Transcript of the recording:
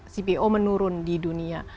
cpo menurun di dunia